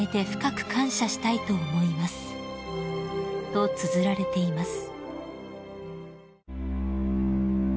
［とつづられています］